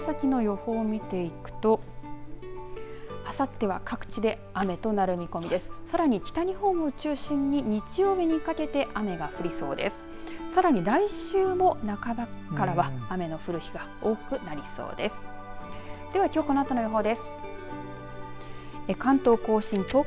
さらに来週の半ばからは雨の降る日が多くなりそうです。